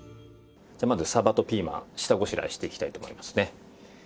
じゃあまず鯖とピーマン下ごしらえしていきたいと思いますね。